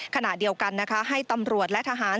ขณะเดียวกันนะคะให้ตำรวจและทหาร